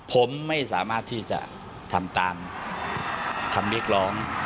ผมไม่สามารถที่จะทำตามคำเรียกร้อง